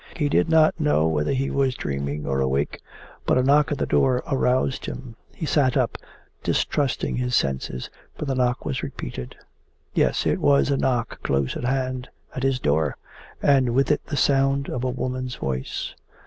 He did not know whether he was dreaming or awake, but a knock at the door aroused him. He sat up, distrusting his senses, but the knock was repeated. Yes, it was a knock close at hand, at his door, and with it the sound of a woman's voice.